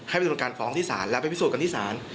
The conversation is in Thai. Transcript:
ให้ผู้จำการฟ้องที่สารแล้วไปพิสูจน์กันที่สาร